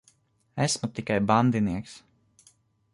Esmu tikai bandinieks.